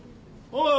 おい